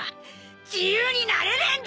自由になれねえんだ！